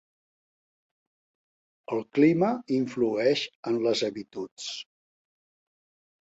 El clima influeix en les habituds.